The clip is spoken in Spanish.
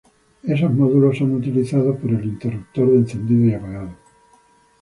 Esos módulos son utilizados para el interruptor de encendido y apagado.